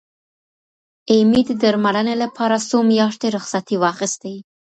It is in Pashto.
ایمي د درملنې لپاره څو میاشتې رخصتي واخستې.